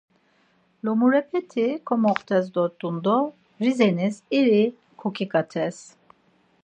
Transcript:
Lomurepeti komoxtes dort̆un do Rizenis iri koǩiǩates.